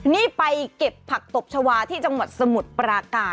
นี่ไปเก็บผักตบชาวาที่จังหวัดสมุทรปราการ